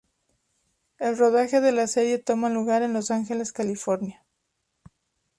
El rodaje de la serie toma lugar en Los Ángeles, California.